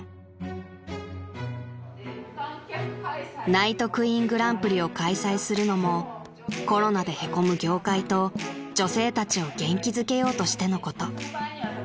［ＮＩＧＨＴＱＵＥＥＮグランプリを開催するのもコロナでへこむ業界と女性たちを元気づけようとしてのこと］